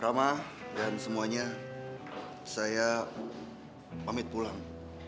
sama dan semuanya saya pamit pulang